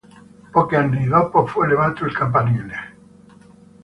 Pochi anni dopo fu elevato il campanile.